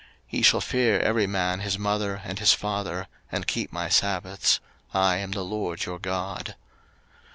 03:019:003 Ye shall fear every man his mother, and his father, and keep my sabbaths: I am the LORD your God.